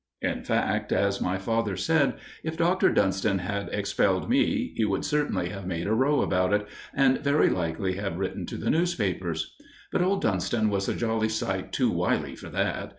In fact, as my father said, if Dr. Dunston had expelled me, he would certainly have made a row about it, and very likely have written to the newspapers. But old Dunston was a jolly sight too wily for that.